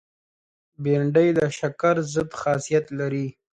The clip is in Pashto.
بېنډۍ د شکر ضد خاصیت لري